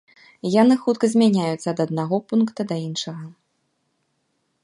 Яны хутка змяняюцца ад аднаго пункта да іншага.